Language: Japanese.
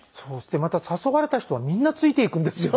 でまた誘われた人はみんなついて行くんですよね。